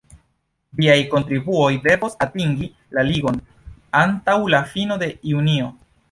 Viaj kontribuoj devos atingi la Ligon antaŭ la fino de junio.